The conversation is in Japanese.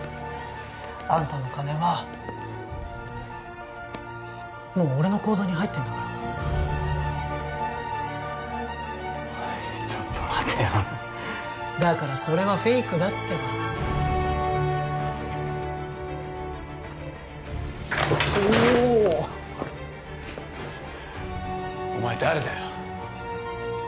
あんたの金はもう俺の口座に入ってんだからおいっちょっと待てよだからそれはフェイクだってばおっお前誰だよ？